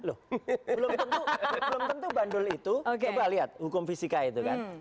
belum tentu belum tentu bandul itu coba lihat hukum fisika itu kan